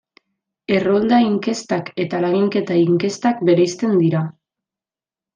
Errolda inkestak eta laginketa inkestak bereizten dira.